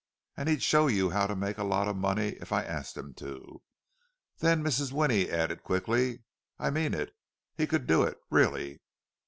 And he'd show you how to make a lot of money if I asked him to." Then Mrs. Winnie added, quickly, "I mean it—he could do it, really."